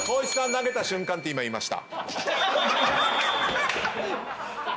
「投げた瞬間」って今言いました。